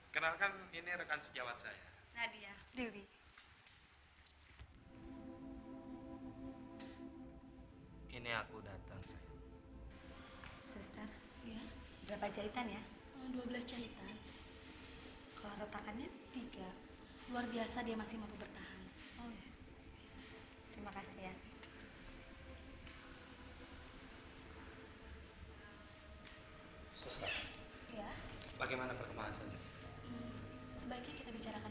kalau harus mimpi barah memburu burchen